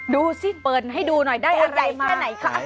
ดูซิเปิดให้ดูหน่อยได้อะไรมา